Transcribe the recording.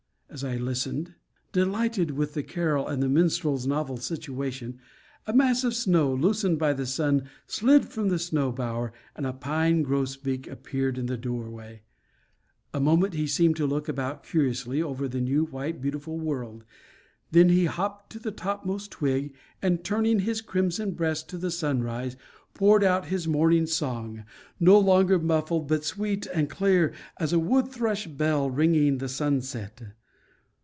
As I listened, delighted with the carol and the minstrel's novel situation, a mass of snow, loosened by the sun, slid from the snow bower, and a pine grosbeak appeared in the doorway. A moment he seemed to look about curiously over the new, white, beautiful world; then he hopped to the topmost twig and, turning his crimson breast to the sunrise, poured out his morning song; no longer muffled, but sweet and clear as a wood thrush bell ringing the sunset.